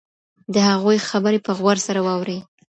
د هغوی خبرې په غور سره واورئ.